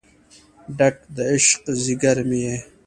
ډک د عشق ځیګر مې یې